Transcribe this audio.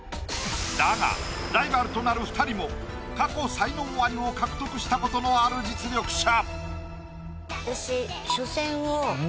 だがライバルとなる二人も過去才能アリを獲得したことのある実力者。